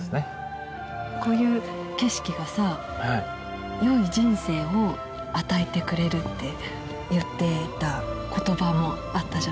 こういう景色がさよい人生を与えてくれるって言っていた言葉もあったじゃない？